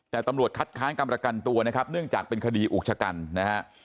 แต่ตำรวจคัดค้างกรรมประกันตัวนะครับเนื่องจากเป็นคดีอุกชะกันนะฮะ